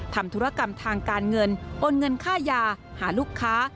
ทำธุรกรรมทางการเงินโอนเงินค่ายาหาลูกค้า